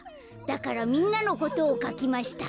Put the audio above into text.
だからみんなのことをかきました。